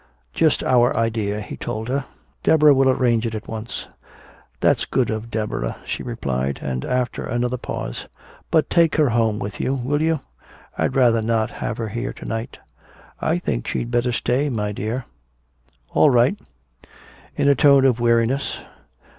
"Just our idea," he told her. "Deborah will arrange it at once." "That's good of Deborah," she replied. And after another pause: "But take her home with you will you? I'd rather not have her here to night." "I think she'd better stay, my dear." "All right." In a tone of weariness.